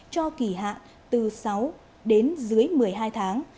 cho kỳ hạn từ sáu đến dưới một mươi hai tháng